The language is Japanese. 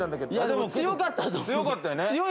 でも強かったよね。